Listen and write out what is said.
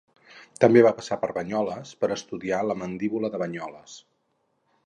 També va passar per Banyoles per estudiar la Mandíbula de Banyoles.